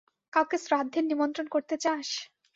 কাউকে শ্রাদ্ধের নিমন্ত্রণ করতে চাস?